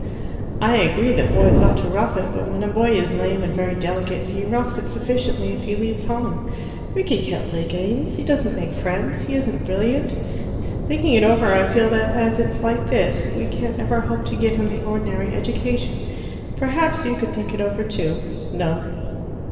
"I agree that boys ought to rough it; but when a boy is lame and very delicate, he roughs it sufficiently if he leaves home. Rickie can't play games. He doesn't make friends. He isn't brilliant. Thinking it over, I feel that as it's like this, we can't ever hope to give him the ordinary education. Perhaps you could think it over too." No.